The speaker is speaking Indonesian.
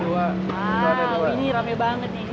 wah ini rame banget